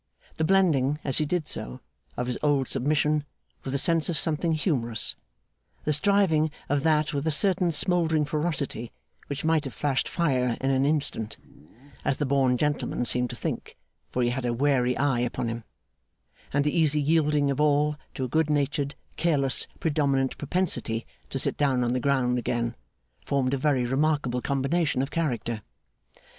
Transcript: The blending, as he did so, of his old submission with a sense of something humorous; the striving of that with a certain smouldering ferocity, which might have flashed fire in an instant (as the born gentleman seemed to think, for he had a wary eye upon him); and the easy yielding of all to a good natured, careless, predominant propensity to sit down on the ground again: formed a very remarkable combination of character.